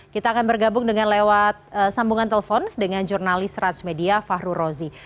kita akan bergabung dengan lewat sambungan telepon dengan jurnalis transmedia fahru rozi